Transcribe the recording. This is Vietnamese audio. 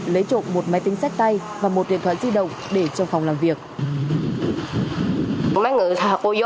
lấy trộn một máy tính sách tay và một điện thoại di động để cho phòng làm việc